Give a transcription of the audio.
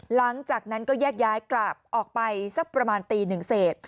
หลังจากนั้นก็แยกย้ายกลับออกไปสักประมาณตีหนึ่งเศษ